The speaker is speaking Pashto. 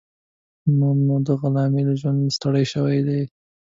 نور نو د غلامۍ له ژونده ستړی شوی دی.